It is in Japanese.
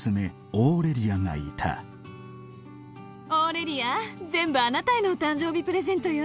オーレリアがいたオーレリア全部あなたへのお誕生日プレゼントよ